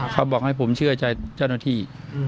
เขาบอกให้ผมเชื่อใจเจ้าหน้าที่